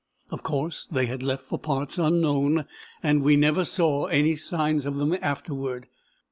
Of course they had left for parts unknown, and we never saw any signs of them afterward.